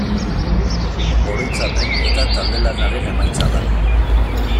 Oroitzapen eta talde-lanaren emaitza da.